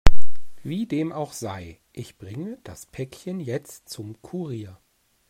Wie dem auch sei, ich bringe das Päckchen jetzt zum Kurier.